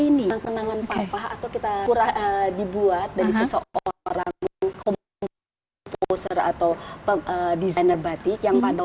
ini kenangan papa atau kita kurang dibuat dari seseorang komposer atau desainer batik yang pada